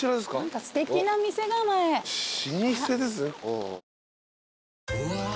すてきな店構え。